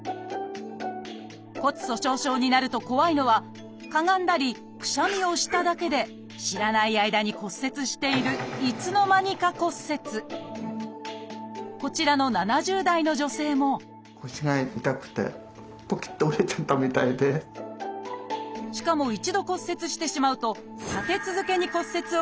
骨粗しょう症になると怖いのはかがんだりくしゃみをしただけで知らない間に骨折しているこちらの７０代の女性もしかも一度骨折してしまうと立て続けに骨折を繰り返すことも。